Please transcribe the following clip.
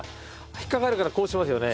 引っかかるからこうしますよね？